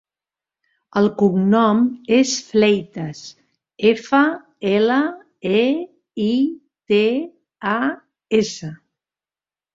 El cognom és Fleitas: efa, ela, e, i, te, a, essa.